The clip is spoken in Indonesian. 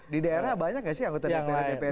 di daerah banyak gak sih anggota dprd